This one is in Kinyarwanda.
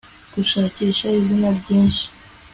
Gushakisha izina ryinshi